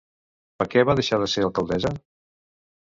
Per què va deixar de ser alcaldessa?